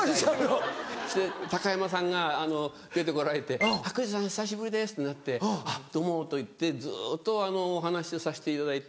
高山さんが出て来られて「栗田さん久しぶりです」ってなって「あっどうも」と言ってずっとお話をさしていただいて。